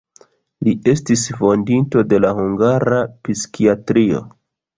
Li estis fondinto de la hungara psikiatrio.